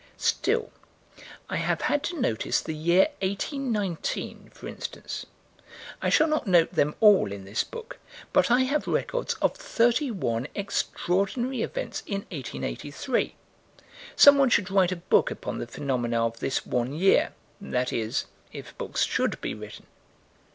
Still, I have had to notice the year 1819, for instance. I shall not note them all in this book, but I have records of 31 extraordinary events in 1883. Someone should write a book upon the phenomena of this one year that is, if books should be written.